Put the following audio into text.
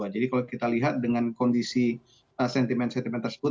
jadi kalau kita lihat dengan kondisi sentimen sentimen tersebut